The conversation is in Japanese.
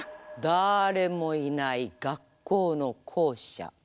だれもいない学校の校舎。